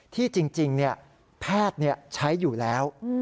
ที่จริงแพทย์ใช้อยู่แล้ว